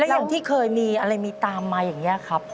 อย่างที่เคยมีอะไรมีตามมาอย่างนี้ครับ